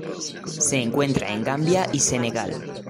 Se encuentra en Gambia y Senegal.